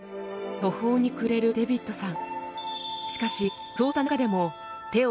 途方に暮れるデビッドさん。